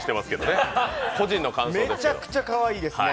めちゃくちゃかわいいですね。